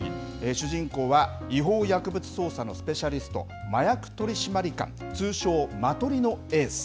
主人公は、違法薬物捜査のスペシャリスト、麻薬取締官、通称マトリのエース。